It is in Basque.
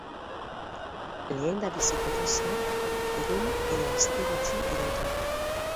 Lehendabiziko faseak egun edo aste gutxi irauten du.